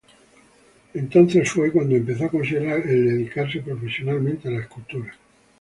Fue entonces cuando empezó a considerar el dedicarse profesionalmente a la escultura.